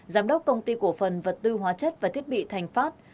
giám đốc công ty cổ phần vật tư hóa chất và thiết bị thành phát